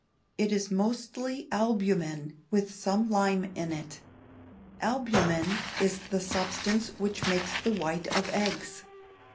It is mostly albumen with some lime in it. Albumen is the substance which makes the white of eggs.